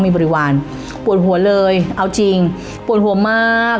มีบริวารปวดหัวเลยเอาจริงปวดหัวมาก